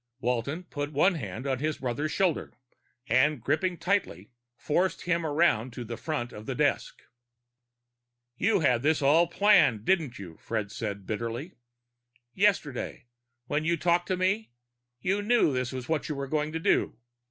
Walton put one hand on his brother's shoulder and, gripping tightly, forced him around to the front of the desk. "You had this all planned, didn't you?" Fred said bitterly. "Yesterday, when you talked to me, you knew this was what you were going to do.